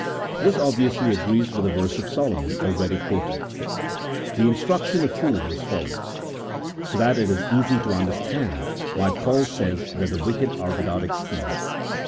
This obviously agrees with the verse of Solomon, already quoted, "The instruction of fools is folly," so that it is easy to understand why Paul says that the wicked are without excuse.